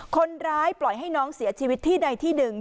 คนร้ายปล่อยให้น้องเสียชีวิตที่ใดที่หนึ่ง